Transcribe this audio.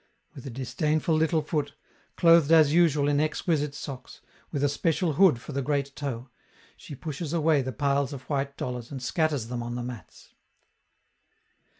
With a disdainful little foot, clothed as usual in exquisite socks, with a special hood for the great toe, she pushes away the piles of white dollars and scatters them on the mats.